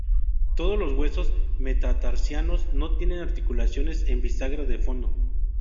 Todos los huesos metatarsianos no tienen articulaciones en bisagra del fondo.